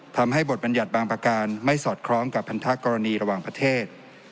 บทบรรยัติบางประการไม่สอดคล้องกับพันธกรณีระหว่างประเทศ